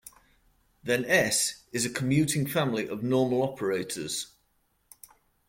Then "S" is a commuting family of normal operators.